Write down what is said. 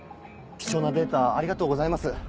貴重なデータありがとうございます。